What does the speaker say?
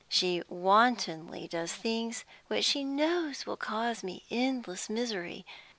She wantonly does things which she knows will cause me endless misery.